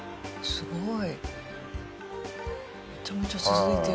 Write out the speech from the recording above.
すごい。